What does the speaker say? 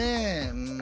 うん。